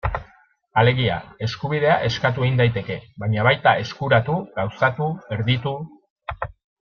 Alegia, eskubidea eskatu egin daiteke, baina baita eskuratu, gauzatu, erditu...